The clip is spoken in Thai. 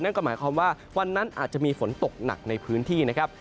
นั่นก็หมายความว่าวันนั้นอาจจะมีฝนตกหนักในพื้นที่นะครับ